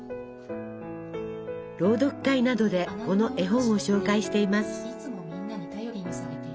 朗読会などでこの絵本を紹介しています。